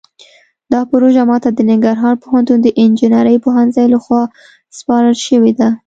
دا پروژه ماته د ننګرهار پوهنتون د انجنیرۍ پوهنځۍ لخوا سپارل شوې ده